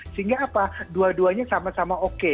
sehingga apa dua duanya sama sama oke